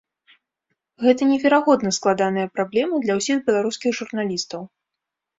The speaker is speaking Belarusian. Гэта неверагодна складаная праблема для ўсіх беларускіх журналістаў.